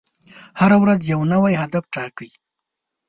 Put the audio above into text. هره ورځ یو نوی هدف ټاکئ.